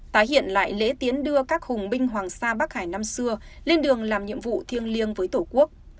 tái hiện lại lễ tiến đưa các hùng binh hoàng sa bắc hải năm xưa lên đường làm nhiệm vụ thiêng liêng với tổ quốc